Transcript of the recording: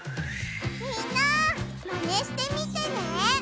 みんなマネしてみてね！